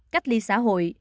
cách ly xã hội